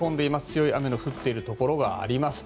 強い雨の降っているところがあります。